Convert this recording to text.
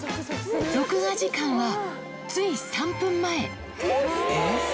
録画時間はつい３分前。